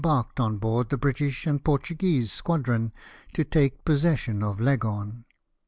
barked on board the British and Portuguese squadron to take possession of Leghorn.